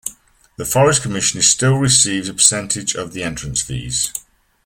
The Forest Commission still receives a percentage of the entrance fees.